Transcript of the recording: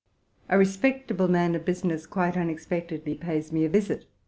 <A re spect table man of business quite unexpectedly pays me a visit.